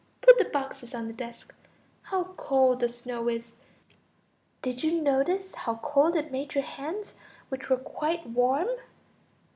Put the boxes on the desk. How cold the snow is! Did you notice how cold it made your hands, which were quite warm?